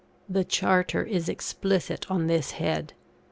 The Charter is explicit on this head.